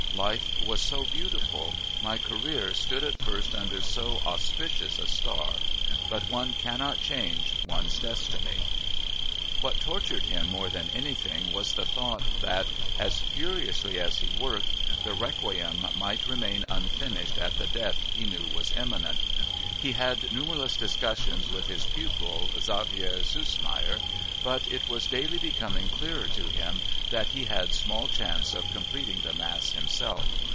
Life was so beautiful, my career stood at first under so auspicious a star! But one cannot change one's destiny!_" What tortured him more than anything was the thought that, as furiously as he worked, the Requiem might remain unfinished at the death he knew was imminent. He had numberless discussions with his pupil, Xaver Süssmayr, but it was daily becoming clearer to him that he had small chance of completing the mass himself.